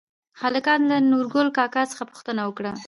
هلکانو له نورګل کاکا څخه پوښتنه وکړه؟